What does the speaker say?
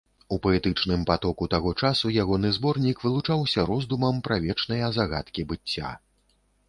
У паэтычным патоку таго часу ягоны зборнік вылучаўся роздумам пра вечныя загадкі быцця.